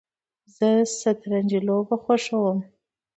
زه شطرنج لوبه خوښوم